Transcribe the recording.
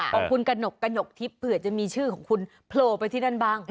ของคุณกระหนกกระหนกทิพย์เผื่อจะมีชื่อของคุณโผล่ไปที่นั่นบ้าง